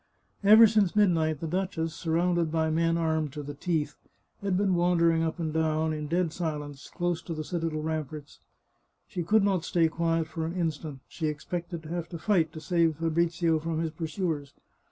Ever since midnight the duchess, surrounded by men armed to the teeth, had been wandering up and down, in dead silence, close to the citadel ramparts. She could not stay quiet for an instant; she expected to have to fight to save Fabrizio from his pursuers.